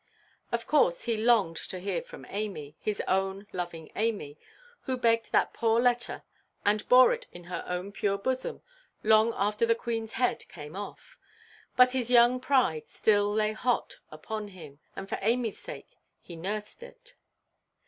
Of course he longed to hear from Amy—his own loving Amy, who begged that poor letter and bore it in her own pure bosom long after the Queenʼs head came off—but his young pride still lay hot upon him, and for Amyʼs sake he nursed it.